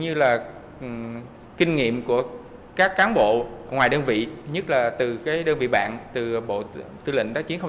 như là kinh nghiệm của các cán bộ ngoài đơn vị nhất là từ cái đơn vị bạn từ bộ tư lệnh tác chiến